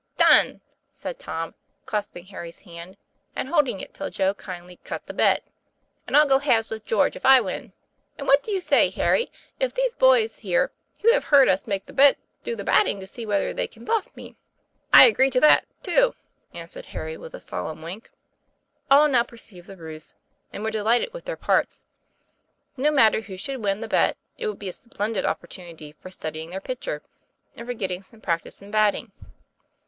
"Done, "said Tom, clasping Harry's hand, and holding it till Joe kindly "cut" the bet. "And I'll go halves with George if I win. And what do you say, Harry, if these boys here, who have heard us make the bet, do the batting to see whether they can bluff me?" "I agree to that, too," answered Harry, with a solemn wink. All now perceived the ruse and were delighted with their parts. No matter who should win the bet, it would be a splendid opportunity for studying their pitcher, and for getting some practice in batting.